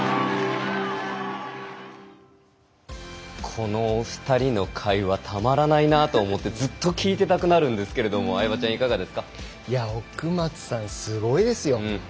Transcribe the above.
このお二人の会話たまらないなと思ってずっと聞いていたくなるんですけれど相葉ちゃんいかがですか？